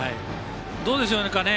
どうでしょうかね。